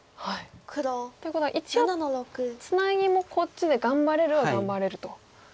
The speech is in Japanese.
ということは一応ツナギもこっちで頑張れるは頑張れると。